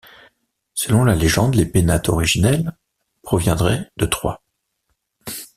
Selon la légende, les Pénates originels proviendraient de Troie.